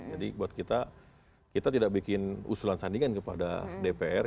jadi buat kita kita tidak bikin usulan sandingan kepada dpr